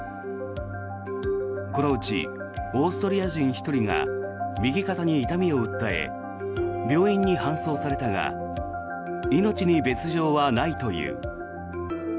このうち、オーストリア人１人が右肩に痛みを訴え病院に搬送されたが命に別条はないという。